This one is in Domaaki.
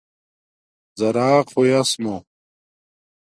زراق ہویاس مُو